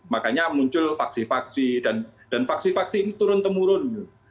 makanya muncul faksi faksi dan faksi faksi ini turun temurun